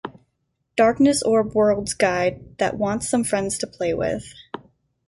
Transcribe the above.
Darkness Orb World's guide that wants some friends to play with.